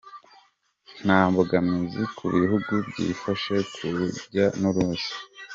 Nta mbogamizi ku bihugu byifashe ku rujya n’uruza